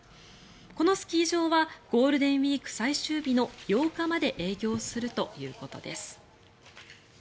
このスキー場はゴールデンウィーク最終日の８日まで営業するということです。